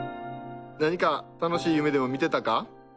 何か楽しい夢でも見てたか？